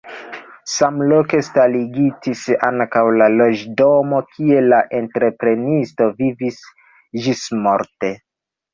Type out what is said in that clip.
Samloke starigitis ankaŭ la loĝdomo kie la entreprenisto vivis ĝismorte.